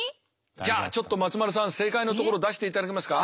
じゃあちょっと松丸さん正解のところ出していただけますか。